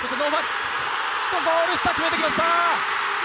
ゴール下、決めてきました、